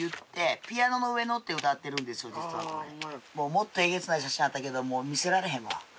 もっとえげつない写真あったけどもう見せられへんわ。